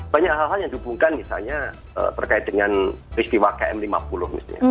banyak hal hal yang dihubungkan misalnya terkait dengan peristiwa km lima puluh misalnya